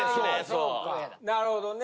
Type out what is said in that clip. なるほどね。